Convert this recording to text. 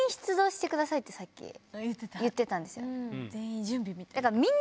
さっき言ってたんですよ。